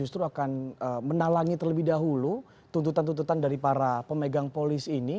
justru akan menalangi terlebih dahulu tuntutan tuntutan dari para pemegang polis ini